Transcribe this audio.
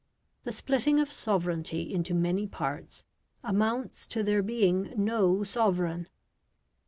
The splitting of sovereignty into many parts amounts to there being no sovereign.